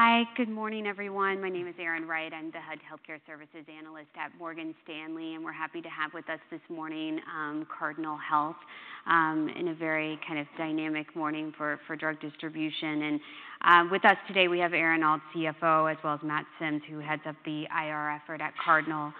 Hi, good morning, everyone. My name is Erin Wright. I'm the Healthcare Services Analyst at Morgan Stanley, and we're happy to have with us this morning, Cardinal Health, in a very kind of dynamic morning for drug distribution. And with us today, we have Aaron Alt, CFO, as well as Matt Sims, who heads up the IR effort at Cardinal.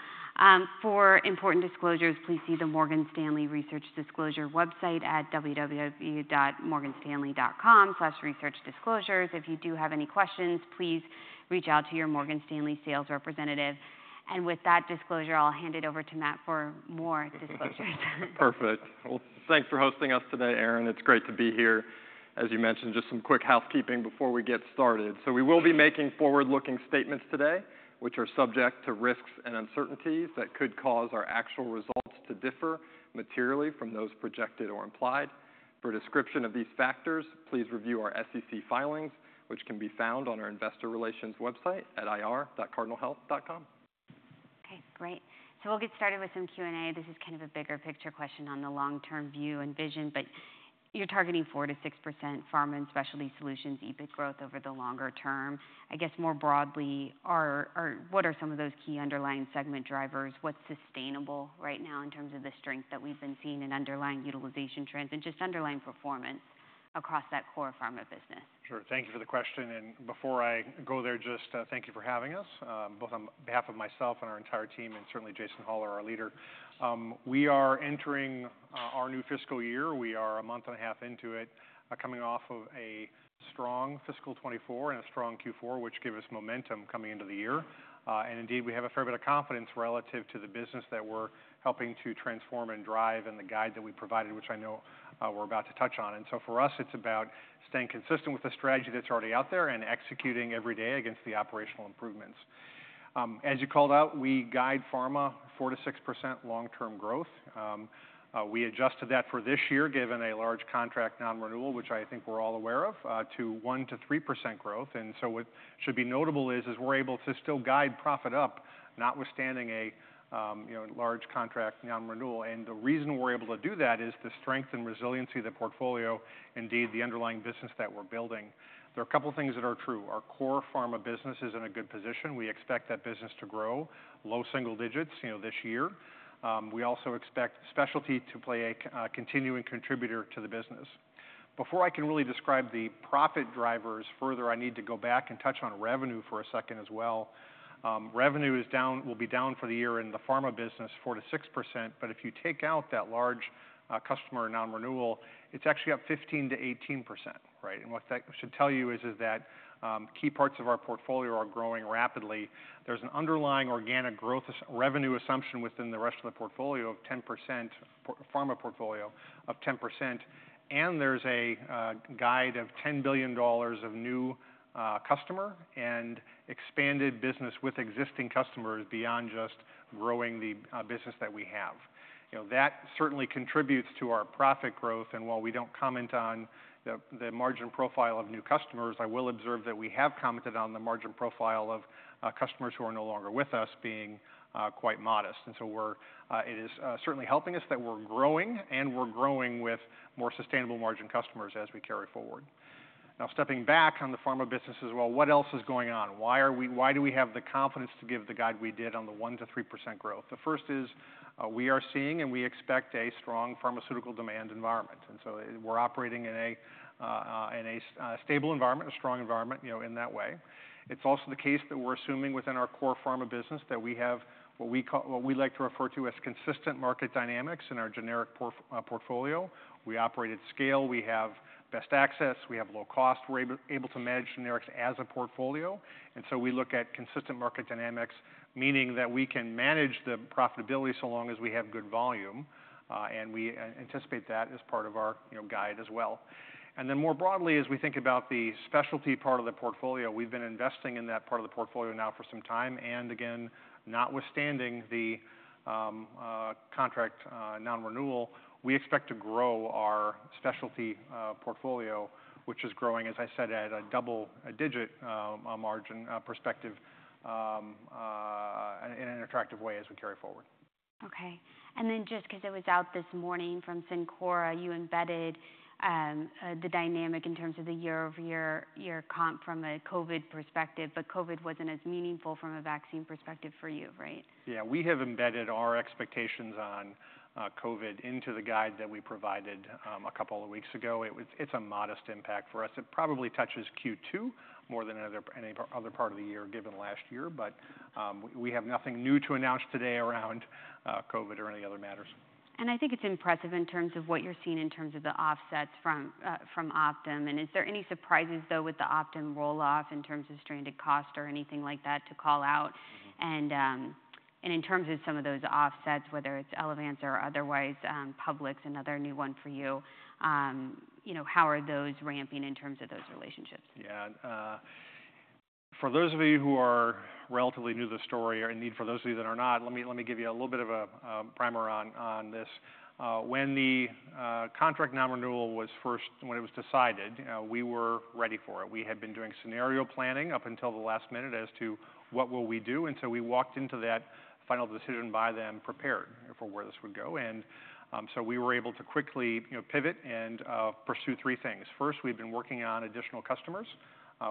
For important disclosures, please see the Morgan Stanley Research Disclosure website at www.morganstanley.com/researchdisclosures. If you do have any questions, please reach out to your Morgan Stanley sales representative. And with that disclosure, I'll hand it over to Matt for more disclosures. Perfect. Well, thanks for hosting us today, Erin. It's great to be here. As you mentioned, just some quick housekeeping before we get started. So we will be making forward-looking statements today, which are subject to risks and uncertainties that could cause our actual results to differ materially from those projected or implied. For a description of these factors, please review our SEC filings, which can be found on our investor relations website at ir.cardinalhealth.com. Okay, great. So we'll get started with some Q&A. This is kind of a bigger picture question on the long-term view and vision, but you're targeting 4%-6% Pharma and Specialty Solutions EBIT growth over the longer term. I guess, more broadly, are what are some of those key underlying segment drivers? What's sustainable right now in terms of the strength that we've been seeing in underlying utilization trends and just underlying performance across that core pharma business? Sure. Thank you for the question, and before I go there, just, thank you for having us, both on behalf of myself and our entire team, and certainly Jason Hollar, our leader. We are entering our new fiscal year. We are a month and a half into it, coming off of a strong fiscal 2024 and a strong Q4, which gave us momentum coming into the year. And indeed, we have a fair bit of confidence relative to the business that we're helping to transform and drive and the guide that we provided, which I know, we're about to touch on. And so for us, it's about staying consistent with the strategy that's already out there and executing every day against the operational improvements. As you called out, we guide pharma 4%-6% long-term growth. We adjusted that for this year, given a large contract non-renewal, which I think we're all aware of, to 1%-3% growth. And so what should be notable is we're able to still guide profit up, notwithstanding a you know large contract non-renewal. And the reason we're able to do that is the strength and resiliency of the portfolio, indeed, the underlying business that we're building. There are a couple of things that are true. Our core pharma business is in a good position. We expect that business to grow low single digits you know this year. We also expect specialty to play a continuing contributor to the business. Before I can really describe the profit drivers further, I need to go back and touch on revenue for a second as well. Revenue is down, will be down for the year in the pharma business, 4-6%, but if you take out that large customer non-renewal, it's actually up 15-18%, right? What that should tell you is that key parts of our portfolio are growing rapidly. There's an underlying organic growth revenue assumption within the rest of the portfolio of 10%, pharma portfolio of 10%, and there's a guide of $10 billion of new customer and expanded business with existing customers beyond just growing the business that we have. You know, that certainly contributes to our profit growth, and while we don't comment on the margin profile of new customers, I will observe that we have commented on the margin profile of customers who are no longer with us being quite modest. And so it is certainly helping us that we're growing, and we're growing with more sustainable margin customers as we carry forward. Now, stepping back on the pharma business as well, what else is going on? Why do we have the confidence to give the guide we did on the 1%-3% growth? The first is, we are seeing, and we expect a strong pharmaceutical demand environment, and so we're operating in a stable environment, a strong environment, you know, in that way. It's also the case that we're assuming within our core pharma business, that we have what we like to refer to as consistent market dynamics in our generic portfolio. We operate at scale, we have best access, we have low cost. We're able to manage generics as a portfolio, and so we look at consistent market dynamics, meaning that we can manage the profitability so long as we have good volume, and we anticipate that as part of our, you know, guide as well. And then more broadly, as we think about the specialty part of the portfolio, we've been investing in that part of the portfolio now for some time, and again, notwithstanding the contract non-renewal, we expect to grow our specialty portfolio, which is growing, as I said, at a double digit margin perspective in an attractive way as we carry forward. Okay. And then just because it was out this morning from Cencora, you embedded the dynamic in terms of the year over year, year comp from a COVID perspective, but COVID wasn't as meaningful from a vaccine perspective for you, right? Yeah, we have embedded our expectations on COVID into the guide that we provided a couple of weeks ago. It's a modest impact for us. It probably touches Q2 more than any other part of the year, given last year. But we have nothing new to announce today around COVID or any other matters. And I think it's impressive in terms of what you're seeing in terms of the offsets from Optum. And is there any surprises, though, with the Optum roll-off in terms of stranded cost or anything like that to call out? Mm-hmm. In terms of some of those offsets, whether it's Elevance or otherwise, Publix, another new one for you, you know, how are those ramping in terms of those relationships? Yeah, for those of you who are relatively new to the story, or indeed, for those of you that are not, let me give you a little bit of a primer on this. When the contract non-renewal was first, when it was decided, we were ready for it. We had been doing scenario planning up until the last minute as to what will we do, and so we walked into that final decision by them prepared for where this would go. So we were able to quickly, you know, pivot and pursue three things. First, we've been working on additional customers,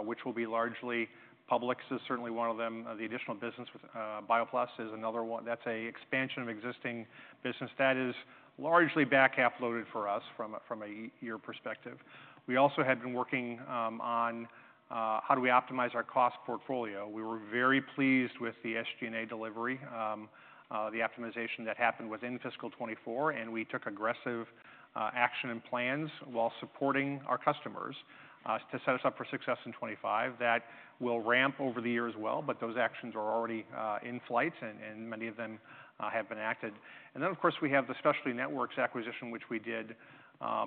which will be largely. Publix is certainly one of them. The additional business with BioPlus is another one. That's a expansion of existing business. That is largely back-half loaded for us from a year perspective. We also had been working on how do we optimize our cost portfolio? We were very pleased with the SG&A delivery, the optimization that happened within fiscal 2024, and we took aggressive action and plans while supporting our customers to set us up for success in 2025. That will ramp over the year as well, but those actions are already in flight, and many of them have been acted. Then, of course, we have the Specialty Networks acquisition, which we did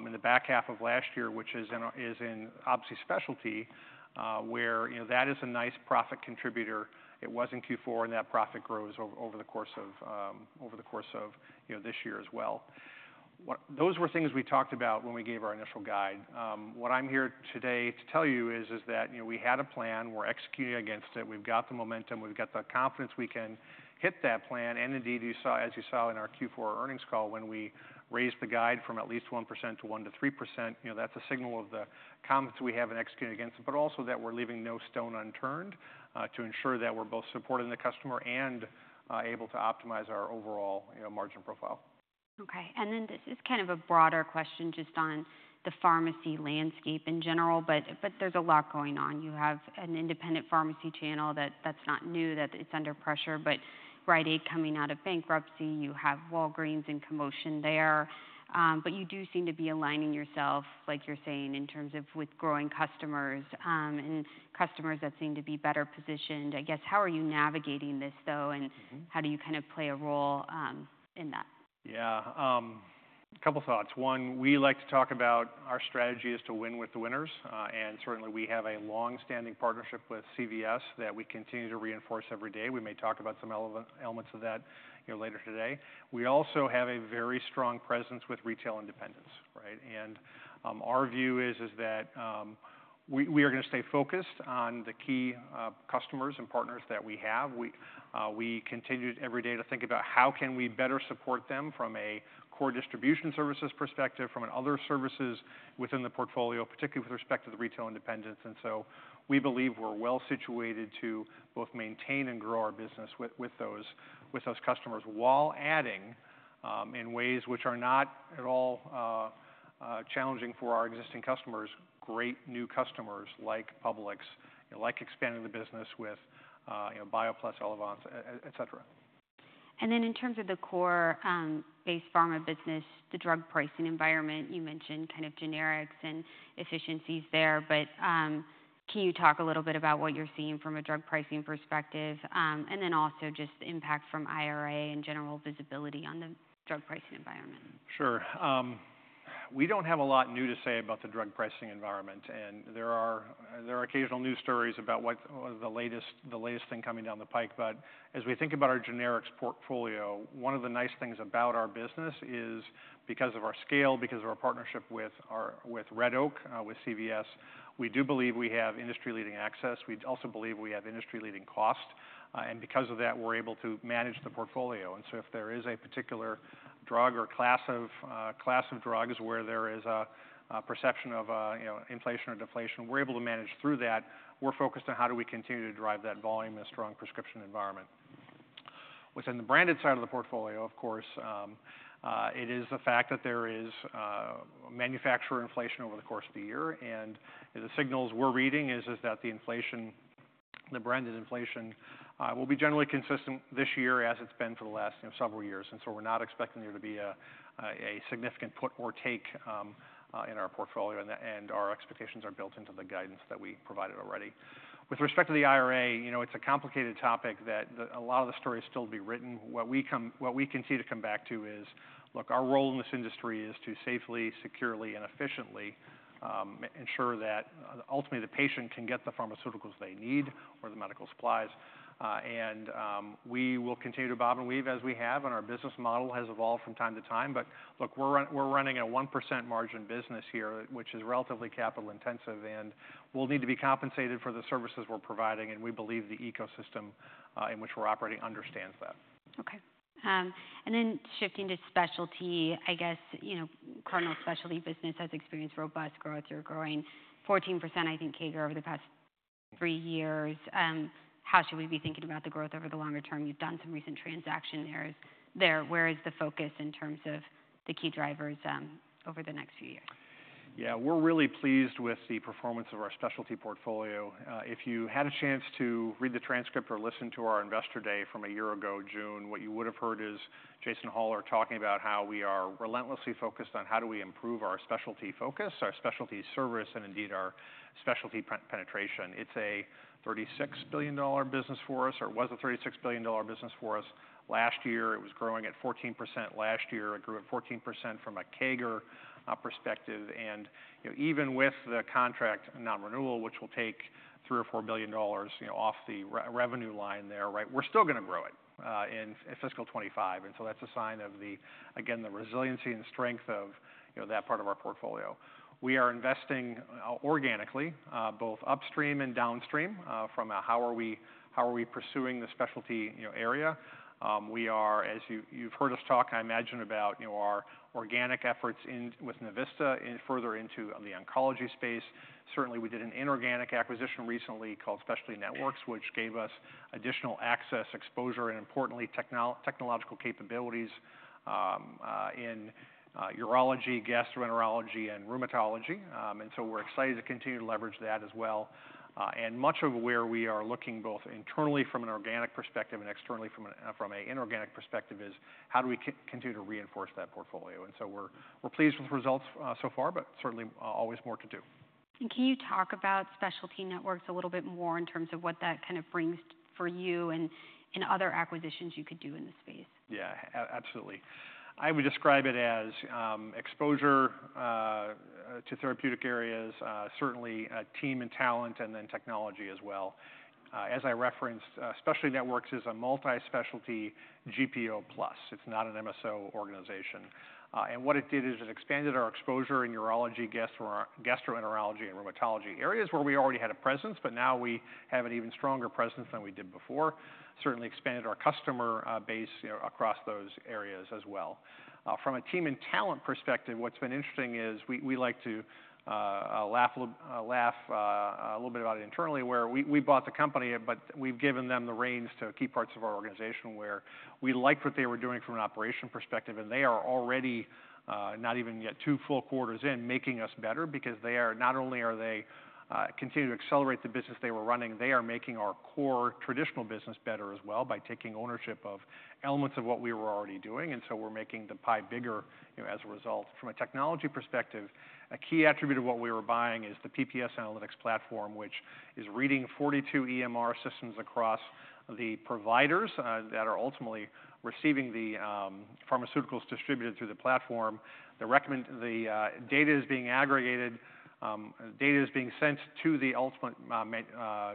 in the back half of last year, which is obviously in specialty, where, you know, that is a nice profit contributor. It was in Q4, and that profit grows over the course of, you know, this year as well. What? Those were things we talked about when we gave our initial guide. What I'm here today to tell you is that, you know, we had a plan, we're executing against it, we've got the momentum, we've got the confidence we can hit that plan. And indeed, you saw as you saw in our Q4 earnings call, when we raised the guide from at least 1%-3%, you know, that's a signal of the confidence we have in executing against it, but also that we're leaving no stone unturned to ensure that we're both supporting the customer and able to optimize our overall, you know, margin profile. Okay, and then this is kind of a broader question just on the pharmacy landscape in general, but there's a lot going on. You have an independent pharmacy channel that's not new, it's under pressure, but Rite Aid coming out of bankruptcy, you have Walgreens in commotion there. But you do seem to be aligning yourself, like you're saying, in terms of with growing customers, and customers that seem to be better positioned. I guess, how are you navigating this, though- Mm-hmm. and how do you kind of play a role in that? Yeah, a couple thoughts. One, we like to talk about our strategy is to win with the winners, and certainly, we have a long-standing partnership with CVS that we continue to reinforce every day. We may talk about some elements of that, you know, later today. We also have a very strong presence with retail independents, right? Our view is that we are going to stay focused on the key customers and partners that we have. We continue every day to think about how can we better support them from a core distribution services perspective, from other services within the portfolio, particularly with respect to the retail independents. We believe we're well-situated to both maintain and grow our business with those customers, while adding in ways which are not at all challenging for our existing customers, great new customers like Publix, like expanding the business with you know, BioPlus, Elevance, et cetera. And then in terms of the core, base pharma business, the drug pricing environment, you mentioned kind of generics and efficiencies there. But, can you talk a little bit about what you're seeing from a drug pricing perspective, and then also just the impact from IRA and general visibility on the drug pricing environment? Sure. We don't have a lot new to say about the drug pricing environment, and there are occasional news stories about what the latest thing coming down the pike. But as we think about our generics portfolio, one of the nice things about our business is because of our scale, because of our partnership with Red Oak with CVS, we do believe we have industry-leading access. We also believe we have industry-leading cost, and because of that, we're able to manage the portfolio. And so if there is a particular drug or class of drugs where there is a perception of you know, inflation or deflation, we're able to manage through that. We're focused on how do we continue to drive that volume and a strong prescription environment. Within the branded side of the portfolio, of course, it is a fact that there is manufacturer inflation over the course of the year, and the signals we're reading is that the inflation, the branded inflation, will be generally consistent this year as it's been for the last, you know, several years. And so we're not expecting there to be a significant put or take in our portfolio, and our expectations are built into the guidance that we provided already. With respect to the IRA, you know, it's a complicated topic that the... A lot of the story is still to be written. What we continue to come back to is, look, our role in this industry is to safely, securely, and efficiently ensure that ultimately, the patient can get the pharmaceuticals they need or the Medical supplies. And we will continue to bob and weave as we have, and our business model has evolved from time to time. But look, we're running a 1% margin business here, which is relatively capital intensive, and we'll need to be compensated for the services we're providing, and we believe the ecosystem in which we're operating understands that. Okay, and then shifting to specialty, I guess, you know, Cardinal Specialty business has experienced robust growth. You're growing 14%, I think, CAGR over the past three years. How should we be thinking about the growth over the longer term? You've done some recent transactions there. Where is the focus in terms of the key drivers over the next few years? Yeah, we're really pleased with the performance of our specialty portfolio. If you had a chance to read the transcript or listen to our Investor Day from a year ago, June, what you would have heard is Jason Hollar talking about how we are relentlessly focused on how do we improve our specialty focus, our specialty service, and indeed, our specialty penetration. It's a $36 billion business for us, or was a $36 billion business for us. Last year, it was growing at 14%. Last year, it grew at 14% from a CAGR perspective. And, you know, even with the contract non-renewal, which will take $3 billion or $4 billion, you know, off the revenue line there, right? We're still gonna grow it in fiscal 2025. That's a sign of the resiliency and strength of, you know, that part of our portfolio. We are investing organically, both upstream and downstream, from how we are pursuing the specialty, you know, area. We are, as you, you've heard us talk, I imagine, about, you know, our organic efforts in, with Navista, further into the oncology space. Certainly, we did an inorganic acquisition recently called Specialty Networks, which gave us additional access, exposure, and importantly, technological capabilities in urology, gastroenterology, and rheumatology. We're excited to continue to leverage that as well. Much of where we are looking, both internally from an organic perspective and externally from an inorganic perspective, is how do we continue to reinforce that portfolio? And so we're pleased with the results so far, but certainly always more to do. Can you talk about Specialty Networks a little bit more in terms of what that kind of brings for you and other acquisitions you could do in the space? Yeah, absolutely. I would describe it as, exposure, to therapeutic areas, certainly, team and talent, and then technology as well. As I referenced, Specialty Networks is a multi-specialty GPO plus. It's not an MSO organization. And what it did is it expanded our exposure in urology, gastroenterology, and rheumatology, areas where we already had a presence, but now we have an even stronger presence than we did before. Certainly expanded our customer, base, you know, across those areas as well. From a team and talent perspective, what's been interesting is we like to laugh a little bit about it internally, where we bought the company, but we've given them the reins to key parts of our organization, where we liked what they were doing from an operation perspective, and they are already, not even yet two full quarters in, making us better because they are, not only are they continuing to accelerate the business they were running, they are making our core traditional business better as well by taking ownership of elements of what we were already doing, and so we're making the pie bigger, you know, as a result. From a technology perspective, a key attribute of what we were buying is the PPS Analytics platform, which is reading 42 EMR systems across the providers that are ultimately receiving the pharmaceuticals distributed through the platform. The data is being aggregated, data is being sent to the ultimate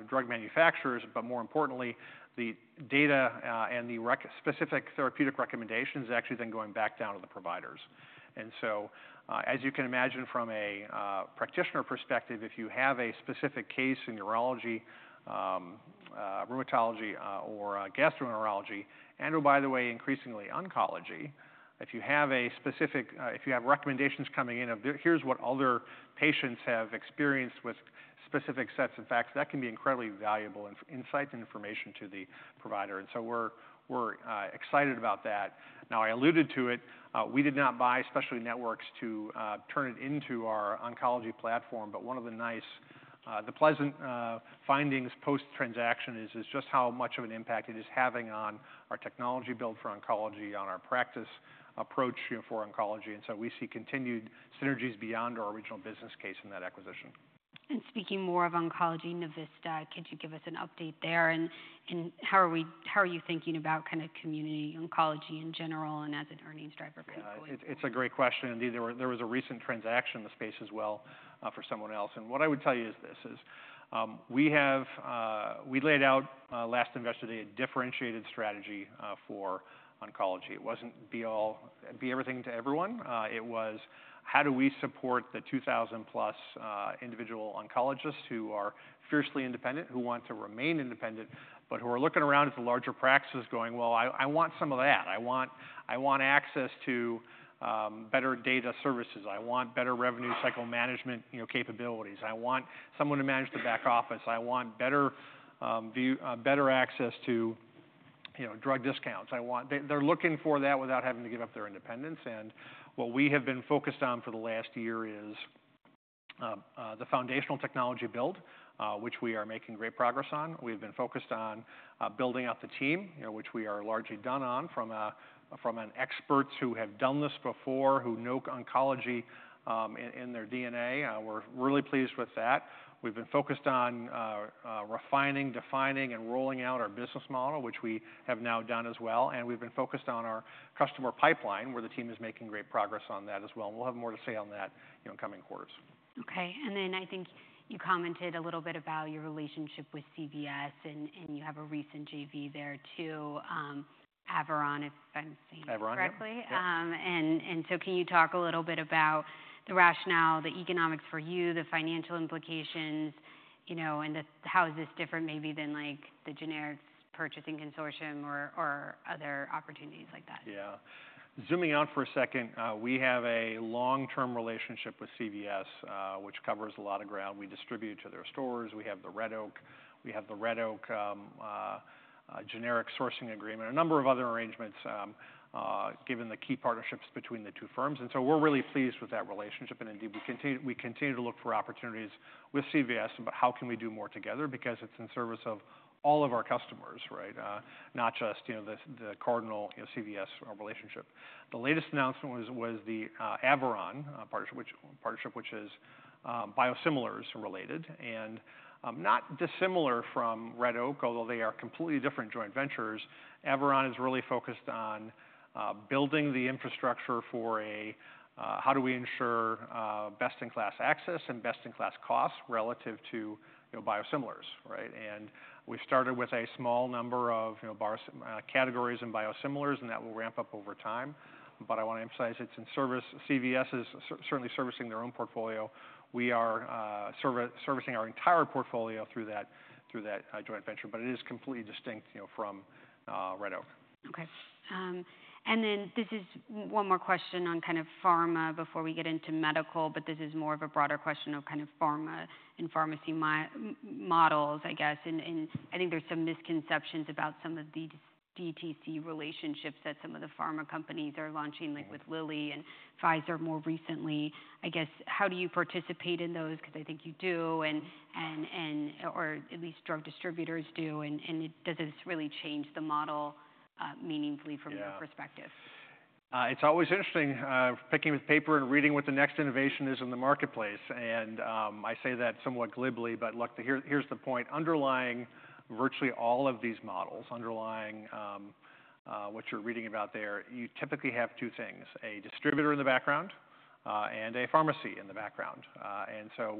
drug manufacturers, but more importantly, the data and the specific therapeutic recommendations actually then going back down to the providers And so, as you can imagine from a practitioner perspective, if you have a specific case in urology, rheumatology, or gastroenterology, and oh, by the way, increasingly oncology, if you have recommendations coming in of here, here's what other patients have experienced with specific sets of facts, that can be incredibly valuable insights and information to the provider, and so we're excited about that. Now, I alluded to it, we did not buy Specialty Networks to turn it into our oncology platform, but one of the pleasant findings post-transaction is just how much of an impact it is having on our technology build for oncology, on our practice approach, you know, for oncology, and so we see continued synergies beyond our original business case in that acquisition. Speaking more of oncology, Navista, could you give us an update there? And how are you thinking about kind of community oncology in general and as an earnings driver for the quarter? It's a great question. Indeed, there was a recent transaction in the space as well, for someone else. And what I would tell you is this: we laid out, last Investor Day, a differentiated strategy, for oncology. It wasn't be all, be everything to everyone. It was, how do we support the 2000+ individual oncologists who are fiercely independent, who want to remain independent, but who are looking around at the larger practices going: "Well, I want some of that. I want access to, better data services. I want better revenue cycle management, you know, capabilities. I want someone to manage the back office. I want better view, better access to, you know, drug discounts. I want... They’re looking for that without having to give up their independence, and what we have been focused on for the last year is the foundational technology build, which we are making great progress on. We’ve been focused on building out the team, which we are largely done on from an experts who have done this before, who know oncology in their DNA. We’re really pleased with that. We’ve been focused on refining, defining, and rolling out our business model, which we have now done as well, and we’ve been focused on our customer pipeline, where the team is making great progress on that as well, and we’ll have more to say on that, you know, in coming quarters. Okay, and then I think you commented a little bit about your relationship with CVS, and you have a recent JV there, too, Averon, if I'm saying- Averon. Correctly? Yeah. And so can you talk a little bit about the rationale, the economics for you, the financial implications, you know, and how is this different maybe than, like, the purchasing consortium or other opportunities like that? Yeah. Zooming out for a second, we have a long-term relationship with CVS, which covers a lot of ground. We distribute to their stores, we have the Red Oak generic sourcing agreement, a number of other arrangements, given the key partnerships between the two firms. And so we're really pleased with that relationship, and indeed, we continue to look for opportunities with CVS, about how can we do more together? Because it's in service of all of our customers, right? Not just, you know, the, the Cardinal, you know, CVS relationship. The latest announcement was the Averon partnership, which is biosimilars related, and not dissimilar from Red Oak, although they are completely different joint ventures. Averon is really focused on building the infrastructure for a... How do we ensure best-in-class access and best-in-class costs relative to, you know, biosimilars, right? And we've started with a small number of, you know, biosimilar categories and biosimilars, and that will ramp up over time. But I wanna emphasize, it's in service. CVS is certainly servicing their own portfolio. We are servicing our entire portfolio through that joint venture, but it is completely distinct, you know, from Red Oak. Okay. And then this is one more question on kind of pharma before we get into Medical, but this is more of a broader question of kind of pharma and pharmacy models, I guess. And I think there's some misconceptions about some of the DTC relationships that some of the pharma companies are launching- like with Lilly and Pfizer more recently. I guess, how do you participate in those? Because I think you do, and or at least drug distributors do, and does this really change the model, meaningfully from Yeah Your perspective? It's always interesting picking the paper and reading what the next innovation is in the marketplace. And I say that somewhat glibly, but look, here, here's the point: underlying virtually all of these models, what you're reading about there, you typically have two things, a distributor in the background, and a pharmacy in the background. And so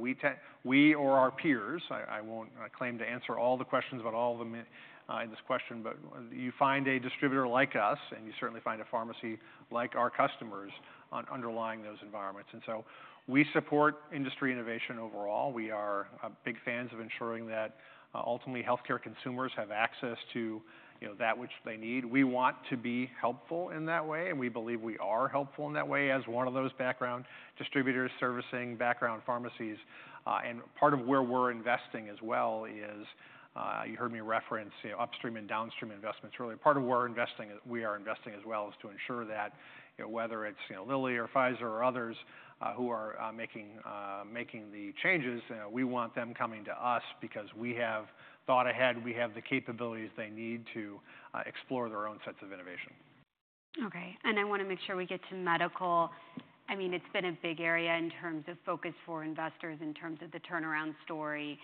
we or our peers, I won't claim to answer all the questions about all of them in this question, but you find a distributor like us, and you certainly find a pharmacy like our customers on underlying those environments. And so we support industry innovation overall. We are big fans of ensuring that ultimately, healthcare consumers have access to, you know, that which they need. We want to be helpful in that way, and we believe we are helpful in that way as one of those background distributors, servicing background pharmacies, and part of where we're investing as well is, you heard me reference, you know, upstream and downstream investments. Really, part of where we're investing, we are investing as well, is to ensure that, you know, whether it's, you know, Lilly or Pfizer or others, who are making the changes, we want them coming to us because we have thought ahead. We have the capabilities they need to explore their own sets of innovation. Okay, and I wanna make sure we get to Medical. I mean, it's been a big area in terms of focus for investors, in terms of the turnaround story.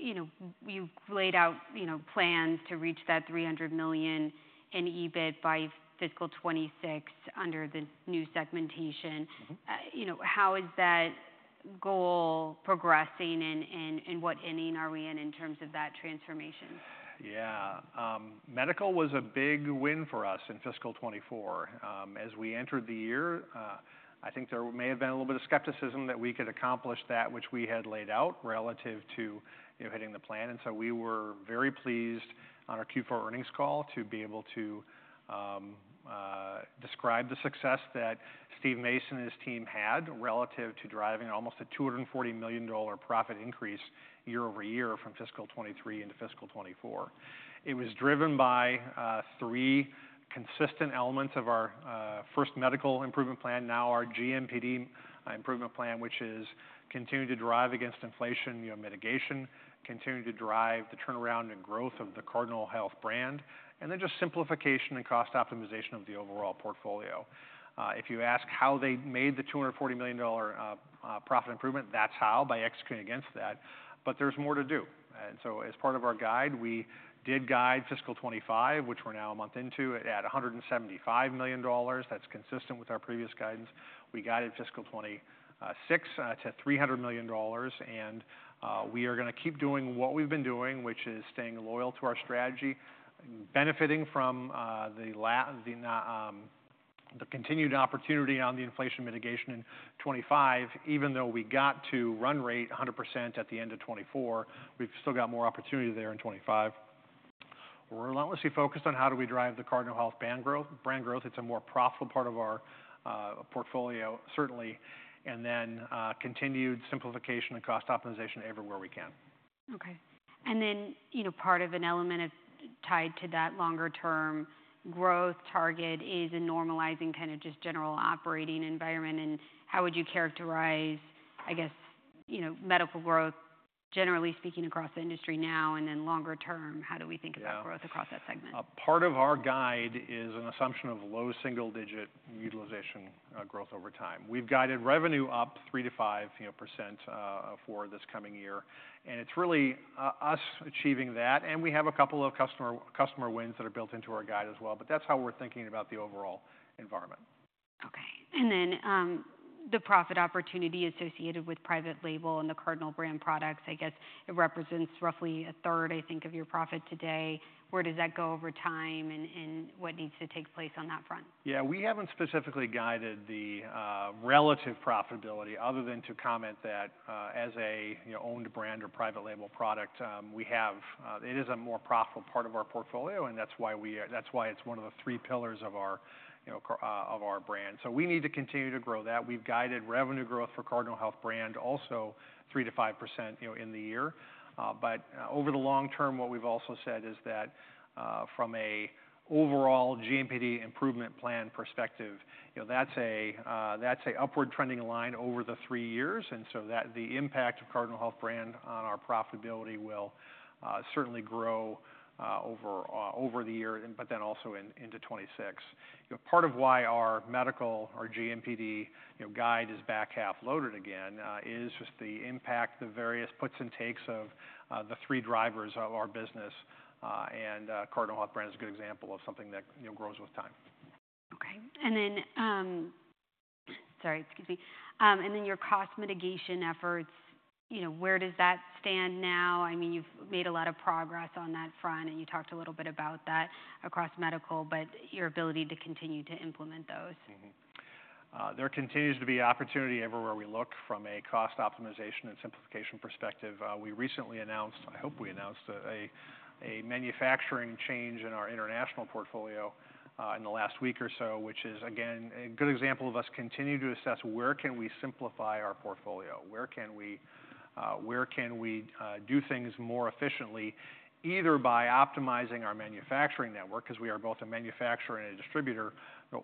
You know, you've laid out, you know, plans to reach that $300 million in EBIT by fiscal 2026 under the new segmentation. Mm-hmm. You know, how is that goal progressing, and what inning are we in terms of that transformation? Yeah. Medical was a big win for us in fiscal 2024. As we entered the year, I think there may have been a little bit of skepticism that we could accomplish that which we had laid out relative to, you know, hitting the plan. And so we were very pleased on our Q4 earnings call to be able to describe the success that Steve Mason and his team had relative to driving almost a $240 million profit increase year over year from fiscal 2023 into fiscal 2024. It was driven by three consistent elements of our first Medical improvement plan, now our GMPD improvement plan, which is continuing to drive against inflation, you know, mitigation, continuing to drive the turnaround and growth of the Cardinal Health Brand, and then just simplification and cost optimization of the overall portfolio. If you ask how they made the $240 million profit improvement, that's how, by executing against that, but there's more to do. So as part of our guide, we did guide fiscal 2025, which we're now a month into, at $175 million. That's consistent with our previous guidance. We guided fiscal 2026 to $300 million, and we are gonna keep doing what we've been doing, which is staying loyal to our strategy, benefiting from the continued opportunity on the inflation mitigation in 2025. Even though we got to run rate 100% at the end of 2024, we've still got more opportunity there in 2025. We're relentlessly focused on how do we drive the Cardinal Health brand growth. It's a more profitable part of our portfolio, certainly, and then continued simplification and cost optimization everywhere we can. Okay and then, you know, part of an element of, tied to that longer term growth target is a normalizing, kind of just general operating environment, and how would you characterize, I guess, you know, Medical growth, generally speaking, across the industry now, and then longer term, how do we think- Yeah about growth across that segment? A part of our guide is an assumption of low double digit utilization growth over time. We've guided revenue up 3% to 5%, you know, for this coming year, and it's really us achieving that, and we have a couple of customer wins that are built into our guide as well, but that's how we're thinking about the overall environment. Okay. And then, the profit opportunity associated with private label and the Cardinal brand products, I guess, it represents roughly a third, I think, of your profit today. Where does that go over time, and what needs to take place on that front? Yeah, we haven't specifically guided the relative profitability, other than to comment that, as a, you know, owned brand or private label product, we have, it is a more profitable part of our portfolio, and that's why that's why it's one of the three pillars of our, you know, of our brand. So we need to continue to grow that. We've guided revenue growth for Cardinal Health Brand, also 3-5%, you know, in the year. But over the long term, what we've also said is that, from an overall GMPD improvement plan perspective, you know, that's an upward trending line over the three years, and so the impact of Cardinal Health Brand on our profitability will certainly grow over the year, but then also into 2026. Part of why our Medical or GMPD, you know, guide is back half loaded again, is just the impact, the various puts and takes of, the three drivers of our business, and, Cardinal Health Brand is a good example of something that, you know, grows with time. Okay. And then, sorry, excuse me. And then your cost mitigation efforts, you know, where does that stand now? I mean, you've made a lot of progress on that front, and you talked a little bit about that across Medical, but your ability to continue to implement those. Mm-hmm. There continues to be opportunity everywhere we look from a cost optimization and simplification perspective. We recently announced, I hope we announced, a manufacturing change in our international portfolio, in the last week or so, which is, again, a good example of us continuing to assess where can we simplify our portfolio? Where can we do things more efficiently, either by optimizing our manufacturing network, because we are both a manufacturer and a distributor,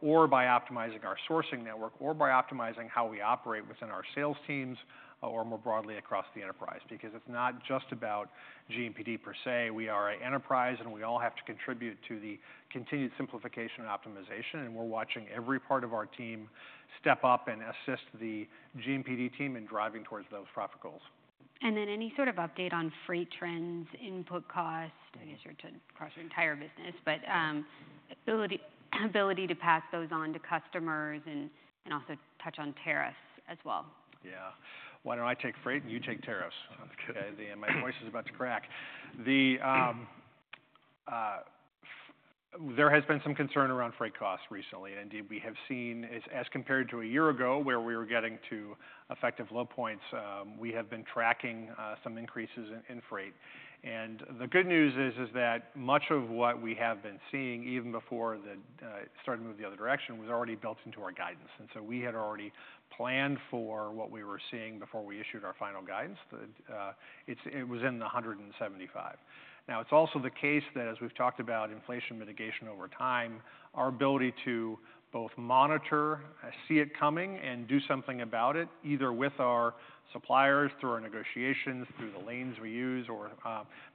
or by optimizing our sourcing network, or by optimizing how we operate within our sales teams, or more broadly across the enterprise? Because it's not just about GMPD per say. We are an enterprise, and we all have to contribute to the continued simplification and optimization, and we're watching every part of our team step up and assist the GMPD team in driving towards those profit goals. And then, any sort of update on freight trends, input cost, I guess, or to across your entire business, but, ability to pass those on to customers and also touch on tariffs as well? Yeah. Why don't I take freight and you take tariffs? Okay, my voice is about to crack. The, there has been some concern around freight costs recently, and indeed, we have seen, as compared to a year ago, where we were getting to effective low points, we have been tracking some increases in freight. And the good news is that much of what we have been seeing, even before the start to move the other direction, was already built into our guidance. And so we had already planned for what we were seeing before we issued our final guidance. It was in the 175. Now, it's also the case that as we've talked about inflation mitigation over time, our ability to both monitor, see it coming, and do something about it, either with our suppliers, through our negotiations, through the lanes we use, or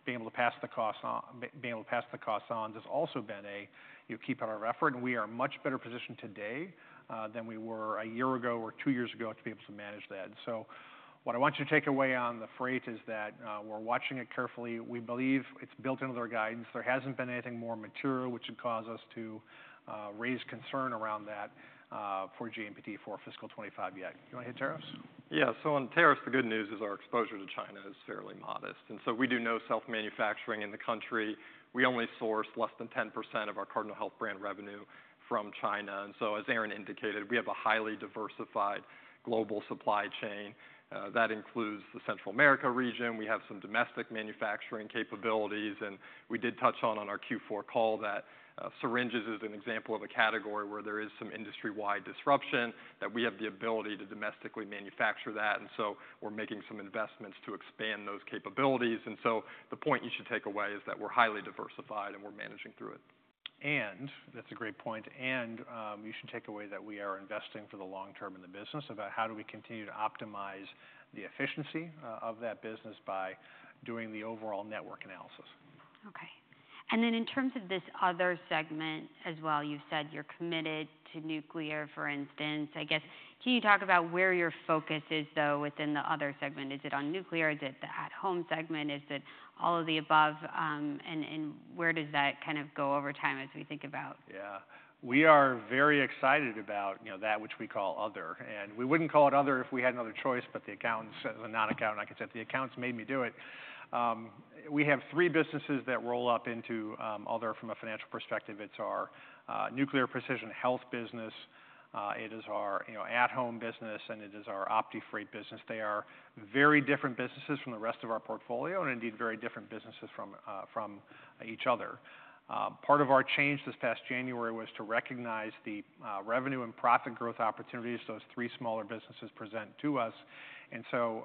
being able to pass the costs on, has also been a, you know, key part of our effort, and we are much better positioned today than we were a year ago or two years ago to be able to manage that. So what I want you to take away on the freight is that we're watching it carefully. We believe it's built into our guidance. There hasn't been anything more material which would cause us to raise concern around that for GMPD for fiscal 2025 yet. You wanna hit tariffs? Yeah. So on tariffs, the good news is our exposure to China is fairly modest, and so we do no self-manufacturing in the country. We only source less than 10% of our Cardinal Health Brand revenue from China. And so, as Aaron indicated, we have a highly diversified global supply chain that includes the Central America region. We have some domestic manufacturing capabilities, and we did touch on our Q4 call that syringes is an example of a category where there is some industry-wide disruption, that we have the ability to domestically manufacture that, and so we're making some investments to expand those capabilities. And so the point you should take away is that we're highly diversified and we're managing through it. And that's a great point. And, you should take away that we are investing for the long term in the business about how do we continue to optimize the efficiency, of that business by doing the overall network analysis. Okay. And then in terms of this other segment as well, you've said you're committed to nuclear, for instance. I guess, can you talk about where your focus is, though, within the other segment? Is it on nuclear? Is it the at-home segment? Is it all of the above? And where does that kind of go over time as we think about? Yeah. We are very excited about, you know, that which we call other, and we wouldn't call it other if we had another choice, but the accountants made me do it. We have three businesses that roll up into other from a financial perspective. It's our nuclear precision health business, it is our, you know, at-home business, and it is our OptiFreight business. They are very different businesses from the rest of our portfolio and indeed very different businesses from each other. Part of our change this past January was to recognize the revenue and profit growth opportunities those three smaller businesses present to us, and so,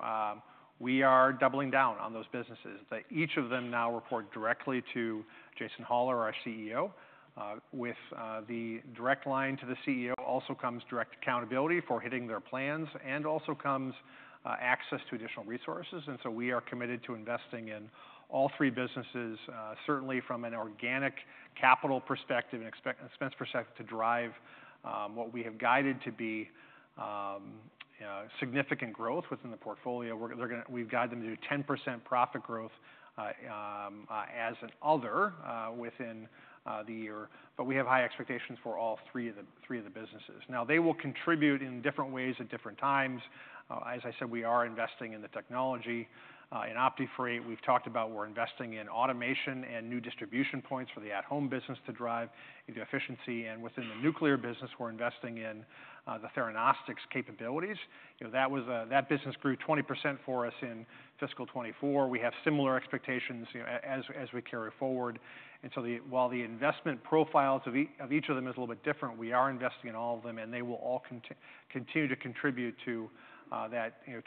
we are doubling down on those businesses. That each of them now report directly to Jason Hollar, our CEO. With the direct line to the CEO also comes direct accountability for hitting their plans and also comes access to additional resources. And so we are committed to investing in all three businesses, certainly from an organic capital perspective and expense perspective, to drive what we have guided to be, you know, significant growth within the portfolio. We've guided them to do 10% profit growth, as an other, within the year, but we have high expectations for all three of the businesses. Now, they will contribute in different ways at different times. As I said, we are investing in the technology. In OptiFreight, we've talked about we're investing in automation and new distribution points for the at-home business to drive the efficiency. Within the nuclear business, we're investing in the Theranostics capabilities. You know, that business grew 20% for us in fiscal 2024. We have similar expectations, you know, as we carry forward. While the investment profiles of each of them is a little bit different, we are investing in all of them, and they will all continue to contribute to that 10%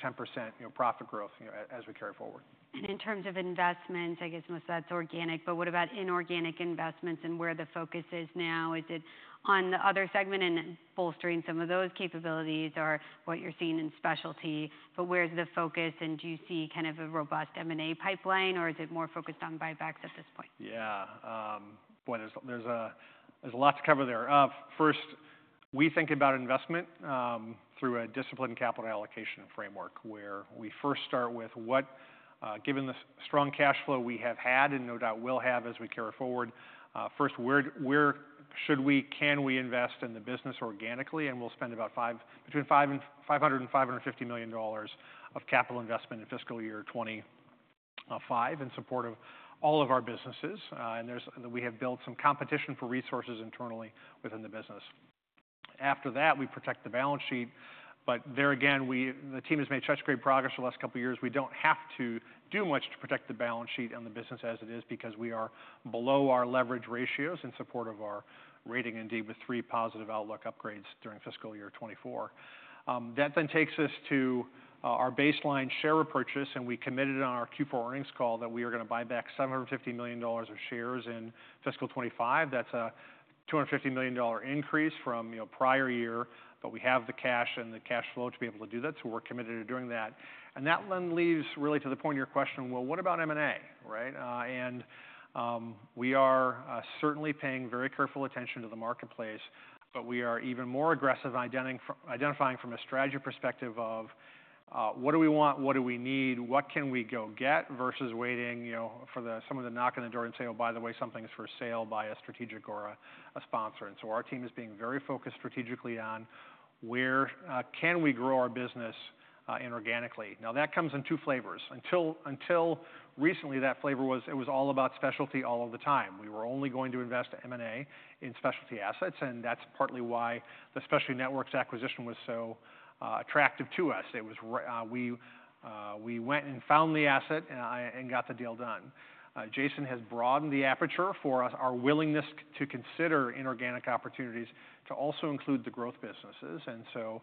profit growth, you know, as we carry forward. In terms of investment, I guess most of that's organic, but what about inorganic investments and where the focus is now? Is it on the other segment and bolstering some of those capabilities, or what you're seeing in specialty? But where's the focus, and do you see kind of a robust M&A pipeline, or is it more focused on buybacks at this point? Yeah. Boy, there's a lot to cover there. First, we think about investment through a disciplined capital allocation framework, where we first start with what. Given the strong cash flow we have had, and no doubt will have as we carry forward, first, where can we invest in the business organically? And we'll spend between $500 million and $550 million of capital investment in fiscal year 2025 in support of all of our businesses. And we have built some competition for resources internally within the business. After that, we protect the balance sheet, but there again, the team has made such great progress for the last couple of years. We don't have to do much to protect the balance sheet and the business as it is because we are below our leverage ratios in support of our rating, indeed, with three positive outlook upgrades during fiscal year 2024. That then takes us to our baseline share repurchase, and we committed on our Q4 earnings call that we are gonna buy back $750 million of shares in fiscal 2025. That's a $250 million increase from, you know, prior year, but we have the cash and the cash flow to be able to do that, so we're committed to doing that. And that then leaves really to the point of your question, Well, what about M&A, right? And we are certainly paying very careful attention to the marketplace, but we are even more aggressive in identifying from a strategy perspective of what do we want, what do we need, what can we go get versus waiting, you know, for the knock on the door and say, "Oh, by the way, something is for sale," by a strategic or a sponsor. And so our team is being very focused strategically on where can we grow our business inorganically. Now, that comes in two flavors. Until recently, that flavor was all about specialty all of the time. We were only going to invest M&A in specialty assets, and that's partly why the Specialty Networks acquisition was so attractive to us. It was, we went and found the asset and got the deal done. Jason has broadened the aperture for us, our willingness to consider inorganic opportunities to also include the growth businesses. And so,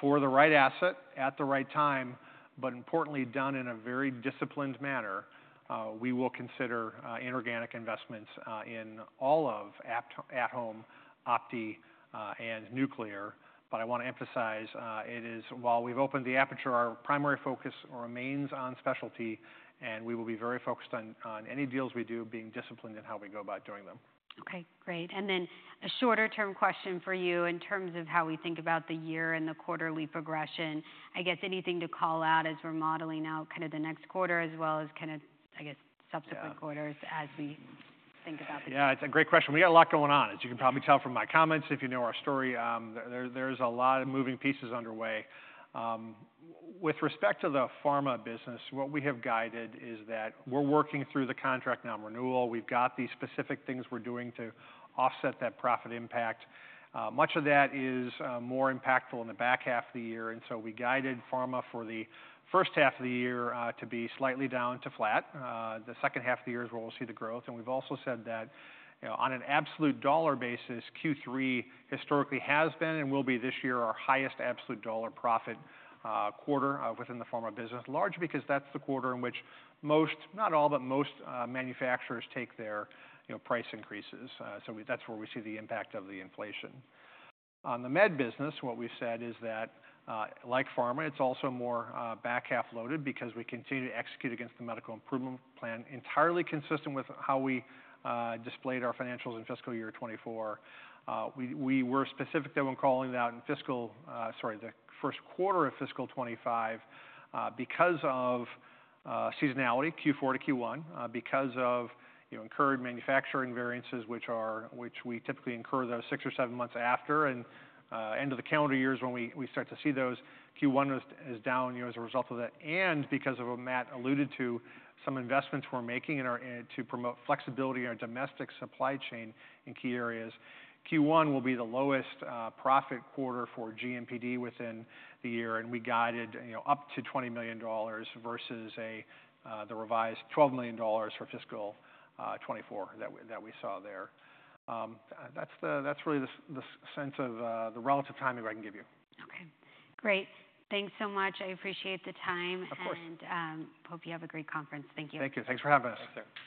for the right asset at the right time, but importantly, done in a very disciplined manner, we will consider inorganic investments in all of at-home, Optum, and nuclear. But I want to emphasize, it is while we've opened the aperture, our primary focus remains on specialty, and we will be very focused on any deals we do, being disciplined in how we go about doing them. Okay, great, and then a shorter-term question for you in terms of how we think about the year and the quarterly progression. I guess anything to call out as we're modeling out kind of the next quarter, as well as kind of, I guess, subsequent- quarters as we think about the- Yeah, it's a great question. We got a lot going on. As you can probably tell from my comments, if you know our story, there's a lot of moving pieces underway. With respect to the pharma business, what we have guided is that we're working through the contract now, renewal. We've got these specific things we're doing to offset that profit impact. Much of that is more impactful in the back half of the year, and so we guided pharma for the first half of the year to be slightly down to flat. The second half of the year is where we'll see the growth. And we've also said that, you know, on an absolute dollar basis, Q3 historically has been and will be this year, our highest absolute dollar profit quarter within the pharma business. Largely because that's the quarter in which most, not all, but most, manufacturers take their, you know, price increases. So that's where we see the impact of the inflation. On the med business, what we've said is that, like pharma, it's also more, back half loaded because we continue to execute against the Medical improvement plan, entirely consistent with how we, displayed our financials in fiscal year 2024. We were specific, though, when calling it out in fiscal. Sorry, the first quarter of fiscal 2025, because of, seasonality, Q4 to Q1, because of, you know, incurred manufacturing variances, which we typically incur those six or seven months after, and, end of the calendar year is when we start to see those. Q1 is down, you know, as a result of that. Because of what Matt alluded to, some investments we're making to promote flexibility in our domestic supply chain in key areas. Q1 will be the lowest profit quarter for GMPD within the year, and we guided, you know, up to $20 million versus the revised $12 million for fiscal 2024 that we saw there. That's really the sense of the relative timing I can give you. Okay, great. Thanks so much. I appreciate the time. Of course. Hope you have a great conference. Thank you. Thank you. Thanks for having us. Thanks, sir.